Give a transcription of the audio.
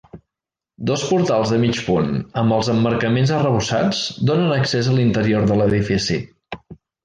Dos portals de mig punt amb els emmarcaments arrebossats donen accés a l'interior de l'edifici.